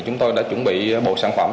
chúng tôi đã chuẩn bị bộ sản phẩm